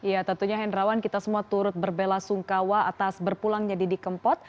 ya tentunya hendrawan kita semua turut berbela sungkawa atas berpulangnya didi kempot